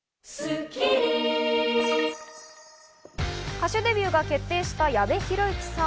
歌手デビューが決定した矢部浩之さん。